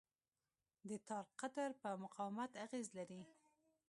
د تار قطر په مقاومت اغېز لري.